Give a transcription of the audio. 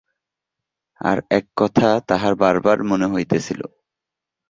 আর এক কথা তাহার বার বার মনে হইতেছিল।